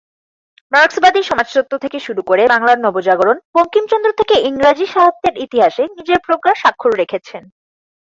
মার্কসবাদী সমাজতত্ত্ব থেকে শুরু করে বাংলার নবজাগরণ, বঙ্কিমচন্দ্র থেকে ইংরাজী সাহিত্যের ইতিহাসে নিজের প্রজ্ঞার স্বাক্ষর রেখেছেন।